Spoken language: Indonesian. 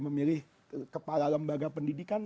memilih kepala lembaga pendidikan